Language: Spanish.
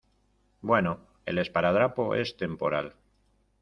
bueno, el esparadrapo es temporal ;